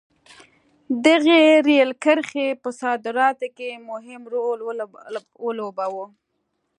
دغې رېل کرښې په صادراتو کې مهم رول ولوباوه.